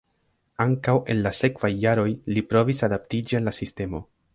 Ankaŭ en la sekvaj jaroj li provis adaptiĝi al la sistemo.